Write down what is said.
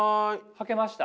はけました？